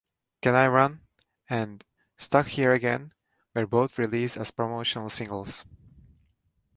"Can I Run" and "Stuck Here Again" were both released as promotional singles.